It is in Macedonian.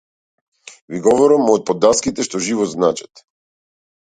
Ви говорам од под даските што живот значат!